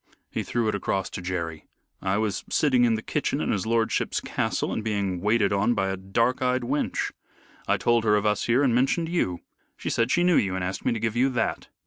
He threw it across to Jerry. "I was sitting in the kitchen in his lordship's castle and being waited on by a dark eyed wench. I told her of us here and mentioned you. She said she knew you and asked me to give you that.